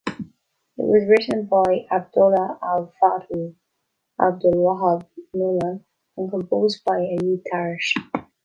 It was written by Abdullah "Al-Fadhool" Abdulwahab Noman and composed by Ayoob Tarish.